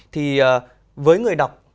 thì với người đọc